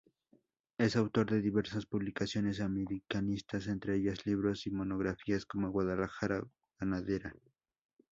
Es autor de diversas publicaciones americanistas, entre ellas libros y monografías como "Guadalajara Ganadera.